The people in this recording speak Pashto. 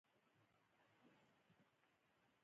باید خپله یې وکړو او د نورو وزغمو.